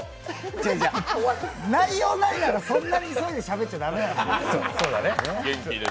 違う、違う、内容ないなら、そんなに急いでしゃべっちゃ駄目なのよ。